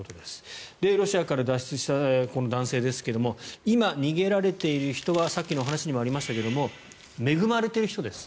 ロシアから脱出したこの男性ですが今逃げられている人はさっきのお話にもありましたけど恵まれている人です。